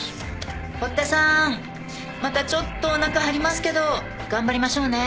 堀田さんまたちょっとおなか張りますけど頑張りましょうね。